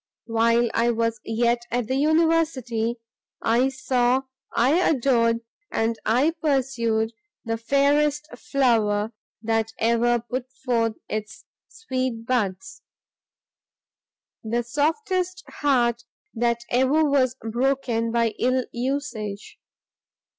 While I was yet at the University, I saw, I adored, and I pursued the fairest flower that ever put forth its sweet buds, the softest heart that ever was broken by ill usage!